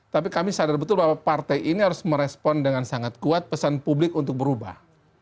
tapi kami sadar betul bahwa partai ini harus merespon dengan sangat kuat pesan publik untuk berubah